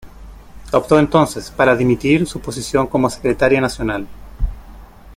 Optó entonces para dimitir su posición como Secretaria Nacional.